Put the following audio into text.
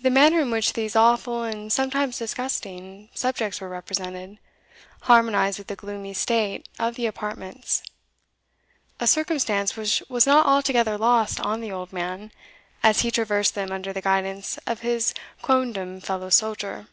The manner in which these awful, and sometimes disgusting, subjects were represented, harmonized with the gloomy state of the apartments, a circumstance which was not altogether lost on the old man, as he traversed them under the guidance of his quondam fellow soldier.